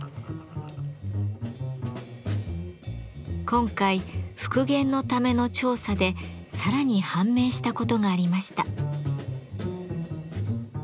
今回復元のための調査でさらに判明したことがありました。